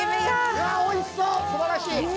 うわっおいしそう素晴らしい！